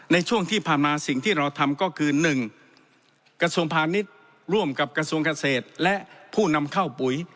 ในช่วงที่ผ่านมาสิ่งที่เราทำก็คือ๑กระทรวงพาณิชย์ร่วมกับกระทรวงเกษตรและผู้นำเข้าปุ๋ย